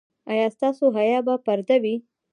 ایا ستاسو حیا به پرده وي؟